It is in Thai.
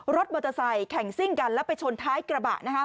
รถมอเตอร์ไซค์แข่งซิ่งกันแล้วไปชนท้ายกระบะนะคะ